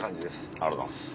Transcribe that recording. ありがとうございます。